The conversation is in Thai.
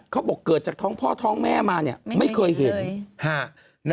เกิดจากท้องพ่อท้องแม่มาเนี่ยไม่เคยเห็น